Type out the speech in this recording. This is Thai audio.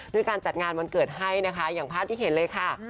ด้วยการจัดงานวันเกิดให้นะคะอย่างภาพที่เห็นเลยค่ะ